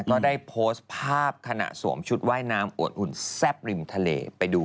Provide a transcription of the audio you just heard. ก็ได้โพสต์ภาพขณะสวมชุดว่ายน้ำอวดอุ่นแซ่บริมทะเลไปดู